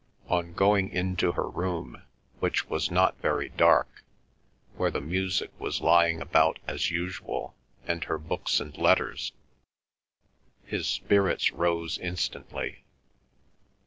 On going into her room, which was not very dark, where the music was lying about as usual, and her books and letters, his spirits rose instantly.